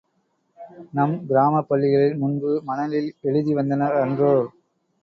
நம் கிராமப் பள்ளிகளில் முன்பு மணலில் எழுதி வந்தனர் அன்றோ!